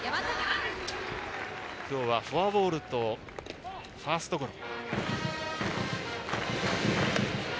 今日はフォアボールとファーストゴロ。